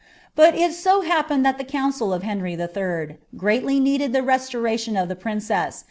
But it so happened that the council of Hr nnr lil greatly needed the resioniUon of tiie princeas.